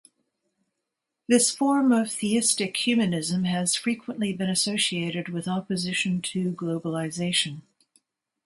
This form of theistic humanism has frequently been associated with opposition to globalisation.